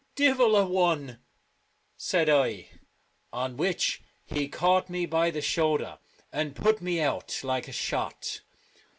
" Divil a one," said I. On which he caught me by the shoulder, and put me out like a shot.